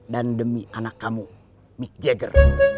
dan demi anak kamu mick jagger